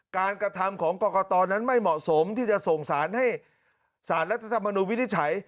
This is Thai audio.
กระทำของกรกตนั้นไม่เหมาะสมที่จะส่งสารให้สารรัฐธรรมนุนวินิจฉัย